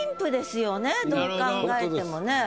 どう考えてもね。